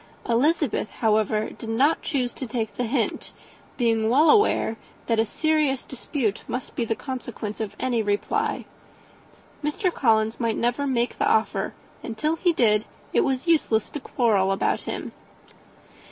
Elizabeth, however, did not choose to take the hint, being well aware that a serious dispute must be the consequence of any reply. Mr. Collins might never make the offer, and, till he did, it was useless to quarrel about him.